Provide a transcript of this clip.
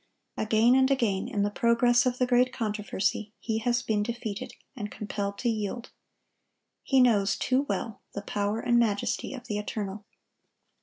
Again and again, in the progress of the great controversy, he has been defeated, and compelled to yield. He knows too well the power and majesty of the Eternal.